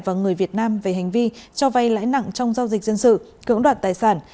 và người việt nam về hành vi cho vay lãi nặng trong giao dịch dân sự cưỡng đoạt tài sản